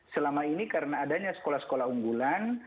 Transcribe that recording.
selama ini karena adanya sekolah sekolah unggulan